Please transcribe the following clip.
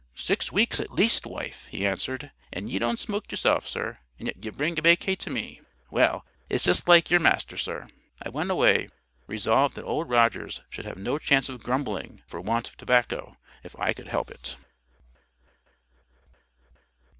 "Six weeks at least, wife," he answered. "And ye don't smoke yourself, sir, and yet ye bring baccay to me! Well, it's just like yer Master, sir." I went away, resolved that Old Rogers should have no chance of "grumbling" for want of tobacco, if I could help it.